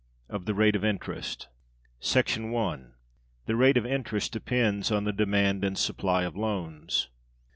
Of The Rate Of Interest. § 1. The Rate of Interest depends on the Demand and Supply of Loans.